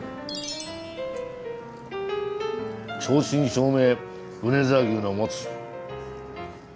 正真正銘米沢牛のモツ。